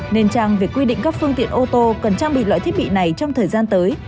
nên trang việc quy định các phương tiện ô tô cần trang bị loại thiết bị này trong thời gian tới